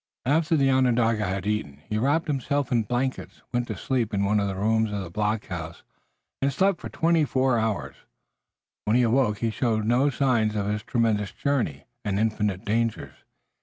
After the Onondaga had eaten he wrapped himself in blankets, went to sleep in one of the rooms of the blockhouse and slept twenty four hours. When he awoke he showed no signs of his tremendous journey and infinite dangers.